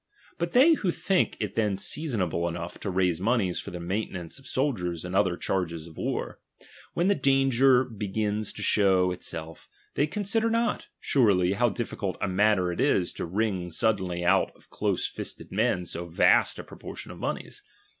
But they who think it then seasonable enough to raise monies for the maintenance of soldiers and other charges of war, when the danger begins to show itself, they consider not, surely, how difficult a matter it is to wring suddenly out of close fisted men so vast a proportion of monies.